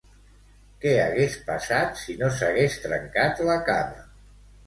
Què hagués passat si no s'hagués trencat la cama?